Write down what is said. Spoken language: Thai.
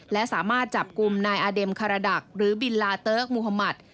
และสามารถจับกลุ่มนายอาเด็มคาราดักหรือบิลลาเติร์กมุธมัติ